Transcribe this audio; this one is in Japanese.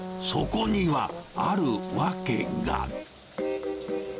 そこにはある訳が。